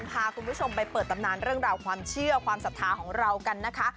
พาคุณผู้ชมไปเปิดตำนานเรื่องราวความเชื่อความศรัทธาของเรากันนะคะ